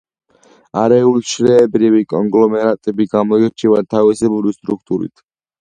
არეულშრეებრივი კონგლომერატები გამოირჩევა თავისებური სტრუქტურით.